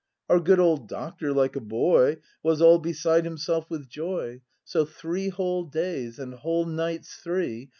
Our good old doctor, like a boy. Was all beside himself with joy; So three whole days, and whole nights three.